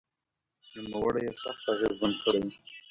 نوموړي یې سخت اغېزمن کړی و